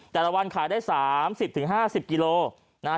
แต่ละวันขายได้๓๐๕๐กิโลนะฮะ